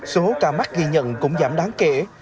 số ca mắc ghi nhận cũng giảm đáng kể